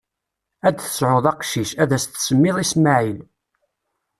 Ad d-tesɛuḍ acqcic, ad s-tsemmiḍ Ismaɛil.